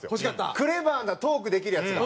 クレバーなトークできるヤツが。